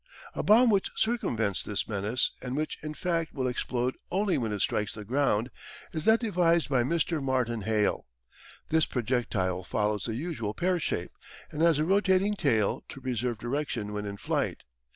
A bomb which circumvents this menace and which in fact will explode only when it strikes the ground is that devised by Mr. Marten Hale. This projectile follows the usual pear shape, and has a rotating tail to preserve direction when in flight.